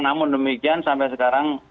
namun demikian sampai sekarang